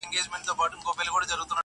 تنها نوم نه چي خصلت مي د انسان سي,